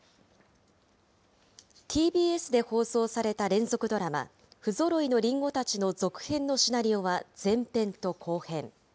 ＴＢＳで放送された連続ドラマ、ふぞろいの林檎たちの続編のシナリオは前編と後編。